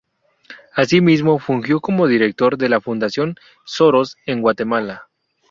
Asimismo, fungió como director de la Fundación Soros en Guatemala.